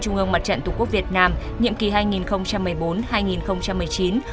trường đoàn đoàn bi thư đảng ủy cơ quan